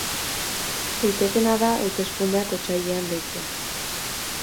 Litekeena da hauteskundeak otsailean deitzea.